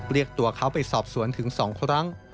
เรียกตัวเขาไปสอบสวนถึง๒ครั้ง